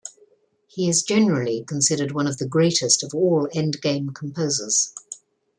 He is generally considered one of the greatest of all endgame composers.